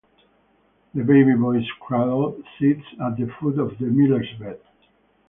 The baby boy's cradle sits at the foot of the miller's bed.